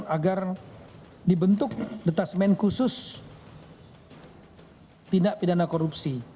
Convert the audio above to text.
agar dibentuk detasmen khusus tindak pidana korupsi